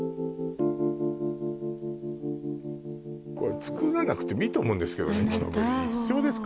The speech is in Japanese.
これつくらなくてもいいと思うんですけどね必要ですか？